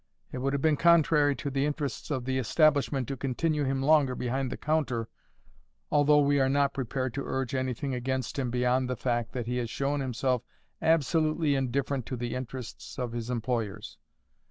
It would have been contrary to the interests of the establishment to continue him longer behind the counter, although we are not prepared to urge anything against him beyond the fact that he has shown himself absolutely indifferent to the interests of his employers.